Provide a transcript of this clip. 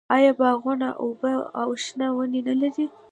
آیا باغونه اوبه او شنه ونې نلري؟